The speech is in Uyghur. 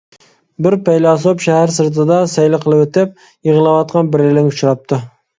بىر پەيلاسوپ شەھەر سىرتىدا سەيلە قىلىۋېتىپ، يىغلاۋاتقان بىرەيلەنگە ئۇچراپتۇ.